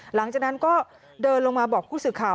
หลังจากนั้นก็เดินลงมาบอกผู้สื่อข่าว